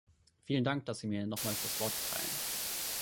Vielen Dank, dass Sie mir nochmals das Wort erteilen.